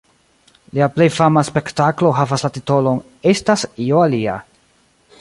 Lia plej fama spektaklo havas la titolon "Estas io alia".